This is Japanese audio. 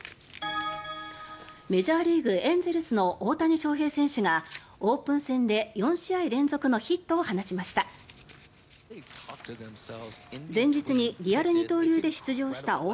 メジャーリーグ、エンゼルスの大谷翔平選手がオープン戦で４試合連続のヒットを放ちました。